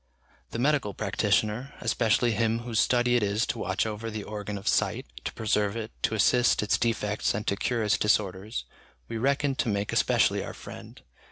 The medical practitioner, especially him whose study it is to watch over the organ of sight, to preserve it, to assist its defects and to cure its disorders, we reckon to make especially our friend.